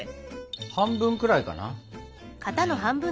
半分くらいかな？